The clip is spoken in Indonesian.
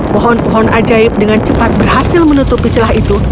pohon pohon ajaib dengan cepat berhasil menutupi celah itu